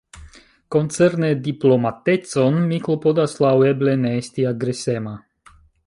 Koncerne diplomatecon, mi klopodas, laŭeble, ne esti agresema.